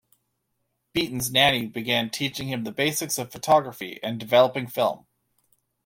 Beaton's nanny began teaching him the basics of photography and developing film.